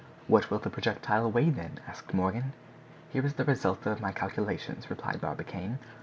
"What will the projectile weigh then?" asked Morgan. "Here is the result of my calculations," replied Barbicane.